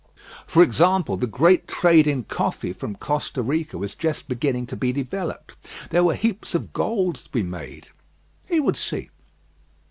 For example. The great trade in coffee from Costa Rica was just beginning to be developed. There were heaps of gold to be made. He would see.